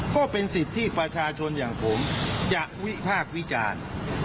ก็เป็นสิทธิประชาชนอย่างผมจะวิภาควิจารณ์